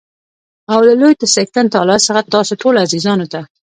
او له لوى څښتن تعالا څخه تاسو ټولو عزیزانو ته